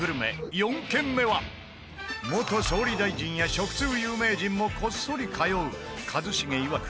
４軒目は元総理大臣や食通有名人もこっそり通う一茂いわく